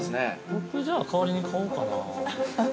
◆僕、じゃあ、代わりに買おうかな。